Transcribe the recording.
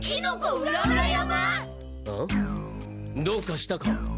どうかしたか？